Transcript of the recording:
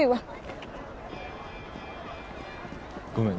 ごめん。